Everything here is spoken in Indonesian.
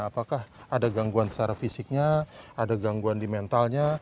apakah ada gangguan secara fisiknya ada gangguan di mentalnya